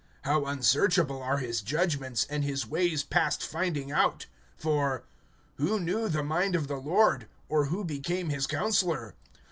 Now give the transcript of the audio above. How unsearchable are his judgments, and his ways past finding out! (34)For, Who knew the mind of the Lord? Or who became his counselor?